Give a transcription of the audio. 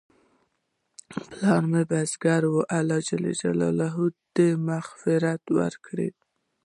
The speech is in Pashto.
پلار مې بزګر و، الله ج دې مغفرت ورته وکړي